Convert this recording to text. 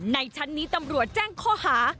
ในชั้นนี้ตำรวจแจ้งข้อหา